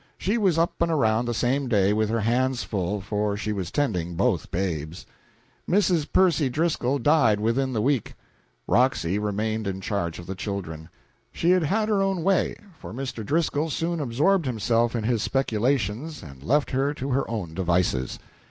She was up and around the same day, with her hands full, for she was tending both babies. Mrs. Percy Driscoll died within the week. Roxy remained in charge of the children. She had her own way, for Mr. Driscoll soon absorbed himself in his speculations and left her to her own devices.